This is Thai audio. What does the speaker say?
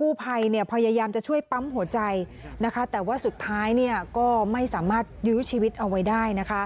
กู้ภัยเนี่ยพยายามจะช่วยปั๊มหัวใจนะคะแต่ว่าสุดท้ายเนี่ยก็ไม่สามารถยื้อชีวิตเอาไว้ได้นะคะ